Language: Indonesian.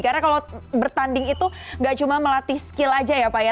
karena kalau bertanding itu gak cuma melatih skill aja ya pak ya